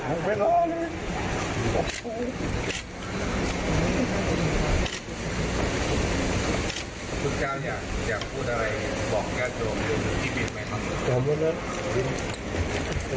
อย่ามองคุณอะไรบอกแค่โดยมือพี่บินใหม่ครับ